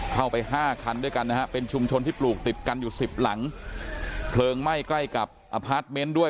เข้าไปห้าคันด้วยกันนะฮะเป็นชุมชนที่ปลูกติดกันอยู่สิบหลังเพลิงไหม้ใกล้กับอพาร์ทเมนต์ด้วย